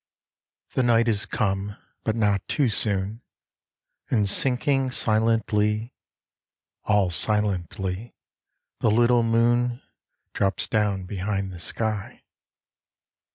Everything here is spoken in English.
The night is come, but not too soon; And sinking silently, All silently, the little moon Drops down behind the sky.